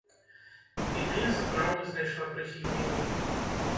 Ідэя сапраўды знайшла прыхільнікаў.